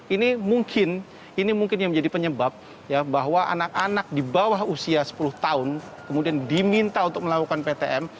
ini mungkin ini mungkin yang menjadi penyebab ya bahwa anak anak di bawah usia sepuluh tahun kemudian diminta untuk melakukan ptm